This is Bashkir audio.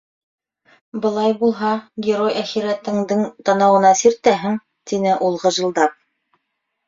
Былай булһа, герой әхирәтеңдең танауына сиртәһең! - тине ул ғыжылдап.